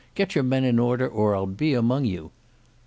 Get your men in order or I'll be among you."